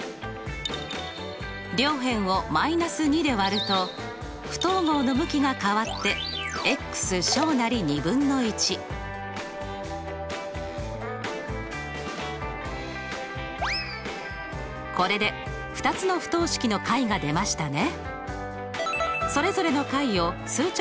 両辺を−２で割ると不等号の向きが変わってこれで２つの不等式の解が出ましたね。